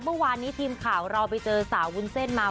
เมื่อวานนี้ทีมข่าวเราไปเจอสาววุ้นเส้นมา